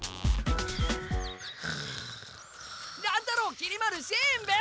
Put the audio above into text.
乱太郎きり丸しんべヱ！